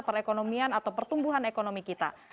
perekonomian atau pertumbuhan ekonomi kita